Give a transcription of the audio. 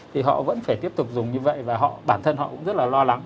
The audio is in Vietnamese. thì họ vẫn phải tiếp tục dùng như vậy và bản thân họ cũng rất là lo lắng